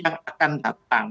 yang akan datang